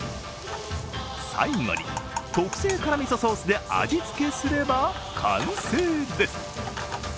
最後に、特製辛みそソースで味付けすれば完成です。